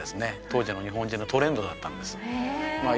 当時の日本人のトレンドだったんですまあ